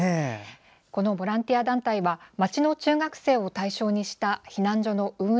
このボランティア団体は町の中学生を対象にした避難所の運営